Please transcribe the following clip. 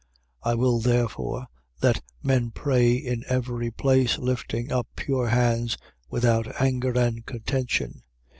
2:8. I will therefore that men pray in every place, lifting up pure hands, without anger and contention.